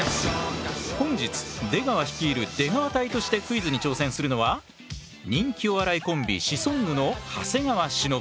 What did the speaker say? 本日出川率いる出川隊としてクイズに挑戦するのは人気お笑いコンビシソンヌの長谷川忍。